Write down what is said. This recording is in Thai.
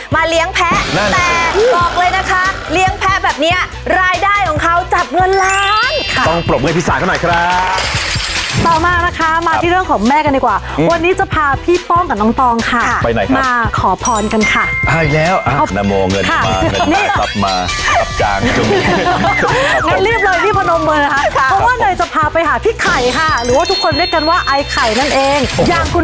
มันก็อยู่ที่๘๐๐๐กัฏรหนึ่งหมื่น